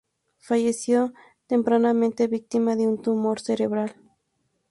Falleció tempranamente víctima de un tumor cerebral.